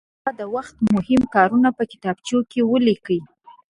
بابا د وخت مهم کارونه په کتابچو کې ولیکي.